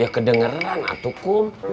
ya kedengeran atuh kum